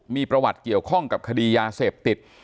มีประวัติเกี่ยวข้องกับคดียาเสพติด